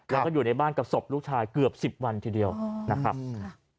แล้วก็อยู่ในบ้านกับศพลูกชายเกือบสิบวันทีเดียวนะครับค่ะ